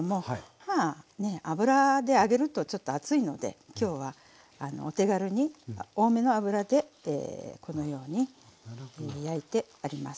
まあ油で揚げるとちょっと熱いのできょうはお手軽に多めの油でこのように焼いてあります。